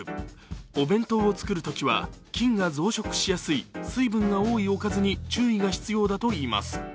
お弁当を作るときは菌が増殖しやすい水分が多いおかずに注意が必要だといいます。